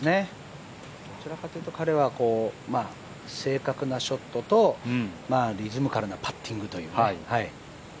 どちらかというと彼は、正確なショットとリズミカルなパッティングというね。